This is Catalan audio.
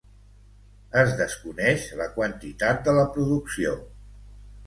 Es desconeix la quantitat de la producció.